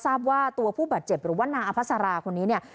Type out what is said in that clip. ทราบว่าตัวผู้บาดเจ็บหรือว่านางอภัสราคนนี้เนี่ย